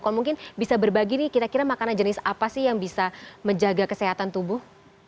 kalau mungkin bisa berbagi nih kira kira makanan jenis apa sih yang bisa menjaga kesehatan tubuh